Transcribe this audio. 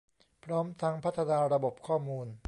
พร้อมทั้งพัฒนาระบบข้อมูล